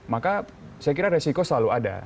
maka saya kira resiko selalu ada